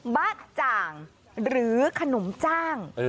บาห์จางหรือขนมจ้าง